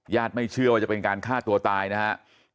ญาติไม่เชื่อว่าจะเป็นการฆ่าตัวตายนะฮะ